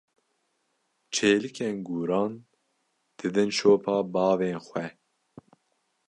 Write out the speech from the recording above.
Çêlikên guran didin şopa bavên xwe.